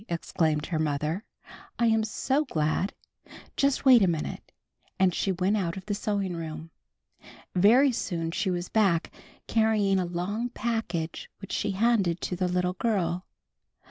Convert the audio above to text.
exclaimed her mother. "I am so glad! Just wait a minute," and she went out of the sewing room. Very soon she was back, carrying a long package which she handed to the little girl.